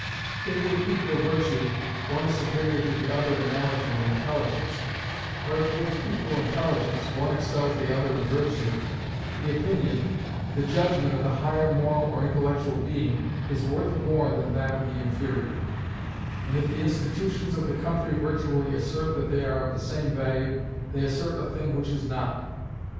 If with equal virtue, one is superior to the other in knowledge and intelligence or if with equal intelligence, one excels the other in virtue the opinion, the judgment of the higher moral or intellectual being is worth more than that of the inferior; and if the institutions of the country virtually assert that they are of the same value, they assert a thing which is not.